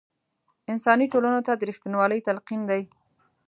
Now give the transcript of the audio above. انساني ټولنو ته د رښتینوالۍ تلقین دی.